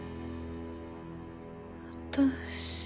私。